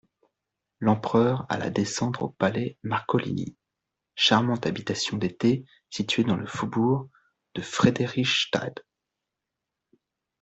L'empereur alla descendre au palais Marcolini, charmante habitation d'été située dans le faubourg de Frédérichstadt.